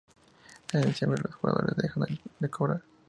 En diciembre los jugadores dejan de cobrar.